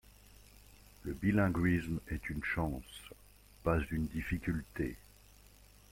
Le bilinguisme est une chance, pas une difficulté.